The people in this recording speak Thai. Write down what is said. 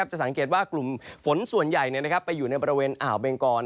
จะสังเกตว่ากลุ่มฝนส่วนใหญ่ไปอยู่ในบริเวณอ่าวเบงกร